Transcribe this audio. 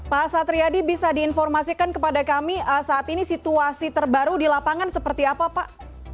pak satriadi bisa diinformasikan kepada kami saat ini situasi terbaru di lapangan seperti apa pak